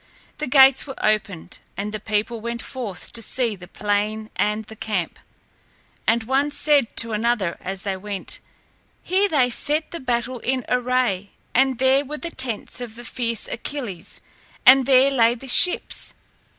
The gates were opened, and the people went forth to see the plain and the camp. And one said to another as they went, "Here they set the battle in array, and there were the tents of the fierce Achilles, and there lay the ships."